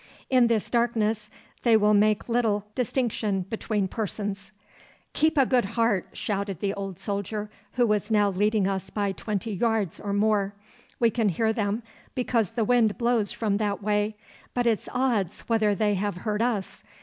'In this darkness they will make little distinction between persons.' 'Keep a good heart,' shouted the old soldier, who was now leading us by twenty yards or more. 'We can hear them because the wind blows from that way, but it's odds whether they have heard us.